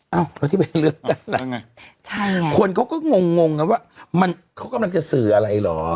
เอ้าแล้วที่เป็นเลือกตั้งใหม่คนเขาก็งงนะว่าเขากำลังจะสื่ออะไรหรอ